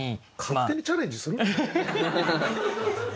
勝手にチャレンジするな！